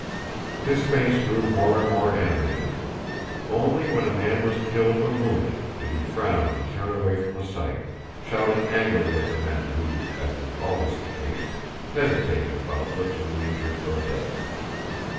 His face grew more and more animated. Only when a man was killed or wounded did he frown and turn away from the sight, shouting angrily at the men who, as is always the case, hesitated about lifting the injured or dead.